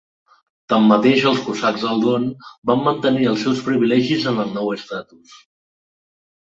Tanmateix els cosacs del Don van mantenir els seus privilegis en el nou estatus.